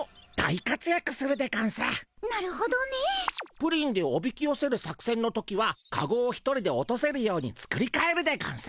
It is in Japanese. プリンでおびきよせる作せんの時はカゴを一人で落とせるように作りかえるでゴンス。